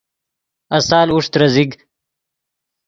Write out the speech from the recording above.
آسال اوݰ ترے زیگ